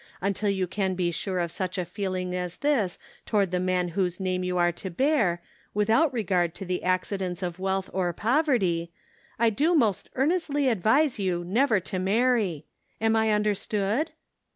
Until you can" be sure of such a feeling as this toward the man whose name you are to bear, without regard to the accidents of wealth or poverty, I do most earnestly advise you never to marry. Am I understood